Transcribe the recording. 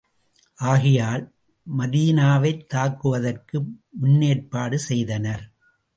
ஆகையால், மதீனாவைத் தாக்குவதற்கு முன்னேற்பாடு செய்தனர்.